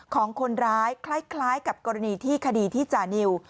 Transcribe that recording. ของคนร้ายคล้ายกับกรณีที่คดีที่จานิว